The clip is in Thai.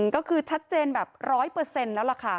ก็คือชัดเจนแบบร้อยเปอร์เซ็นต์แล้วล่ะค่ะ